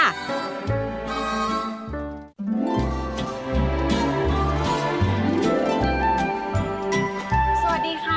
สวัสดีค่ะ